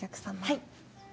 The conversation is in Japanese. はい。